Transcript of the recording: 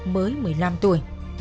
mới một mươi năm tuổi